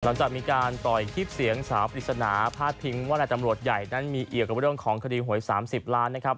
หลังจากมีการต่อยคลิปเสียงสาวปริศนาพาดพิงว่านายตำรวจใหญ่นั้นมีเอี่ยวกับเรื่องของคดีหวย๓๐ล้านนะครับ